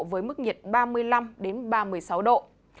với mức nhiệt ba mươi năm ba mươi sáu độ